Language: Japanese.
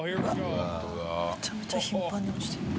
めちゃめちゃ頻繁に落ちてる。